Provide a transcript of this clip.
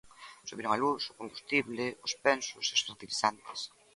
Subiron a luz, o combustible, os pensos e os fertilizantes.